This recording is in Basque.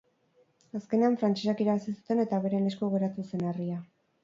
Azkenean, frantsesek irabazi zuten eta beren esku geratu zen herria.